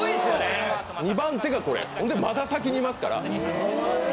２番手がこれ、まだ先にいますから。